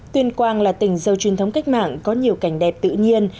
tuyên quang là tỉnh dâu truyền thống cách mạng có nhiều cảnh đẹp tự nhiên